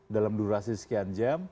dalam durasi sekian jam